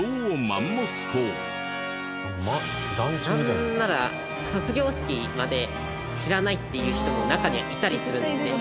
なんなら卒業式まで知らないっていう人も中にはいたりするんですね。